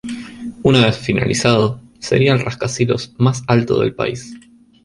Una vez finalizado, sería el rascacielos más alto del país.